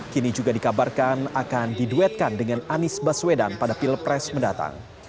kini juga dikabarkan akan diduetkan dengan anies baswedan pada pilpres mendatang